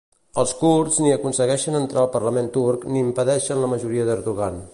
Els kurds ni aconsegueixen entrar al parlament turc ni impedeixen la majoria d'Erdogan.